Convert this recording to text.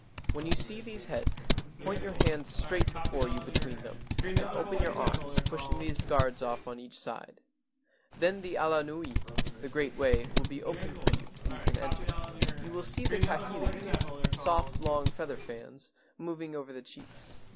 "When you see these heads, point your hands straight before you between them and open your arms, pushing these guards off on each side, then the ala nui [the great way] will be open for you—and you can enter. "You will see kahilis [soft long feather fans] moving over the chiefs.